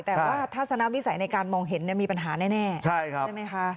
แต่ว่าทัศนวิสัยในการมองเห็นมีปัญหาแน่ใช่ไหมคะ